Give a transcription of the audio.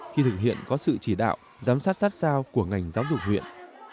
khi thực hiện có sự chỉ đạo giám sát sát sao của ngành giáo dục huyện